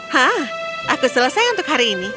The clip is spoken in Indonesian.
hah aku selesai untuk hari ini